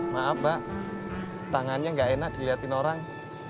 maaf mbak tangannya gak enak diliatin orang